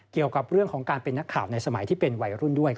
เกี่ยวกับเรื่องของการเป็นนักข่าวในสมัยที่เป็นวัยรุ่นด้วย